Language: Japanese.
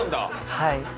はい。